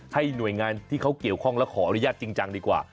หน่วยงานที่เขาเกี่ยวข้องและขออนุญาตจริงจังดีกว่า